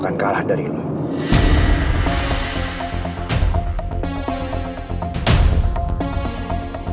kembali dulu fear